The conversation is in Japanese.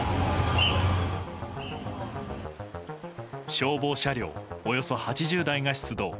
消防車両およそ８０台が出動。